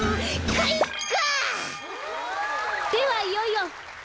かいか！